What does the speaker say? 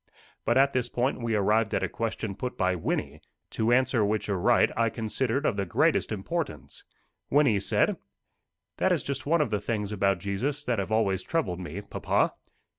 But at this point we arrived at a question put by Wynnie, to answer which aright I considered of the greatest importance. Wynnie said: "That is just one of the things about Jesus that have always troubled me, papa."